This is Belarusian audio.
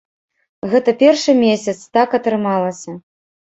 Гэта першы месяц так атрымалася.